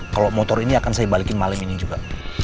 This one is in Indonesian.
kalau motor ini akan saya balikin malam ini juga